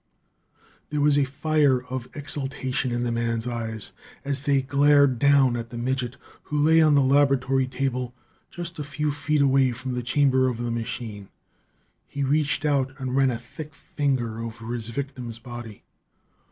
There was a fire of exultation in the man's eyes as they glared down at the midget who lay on the laboratory table, just a few feet away from the chamber of the machine. He reached out and ran a thick finger over his victim's body.